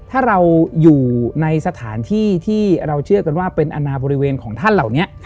ถ้าเราอยู่ในสถานที่ที่เราเชื่อกันว่าเป็นอนาบริเวณของท่านเหล่านี้